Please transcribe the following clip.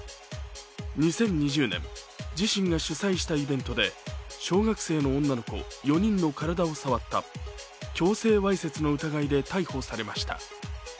２０２０年、自身が主催したイベントで小学生の女の子４人に体を触った強制わいせつの疑いで逮捕されました。